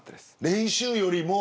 練習よりも。